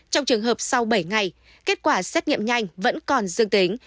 trong trường hợp sau bảy ngày kết quả xét nghiệm nhanh vẫn còn dương tính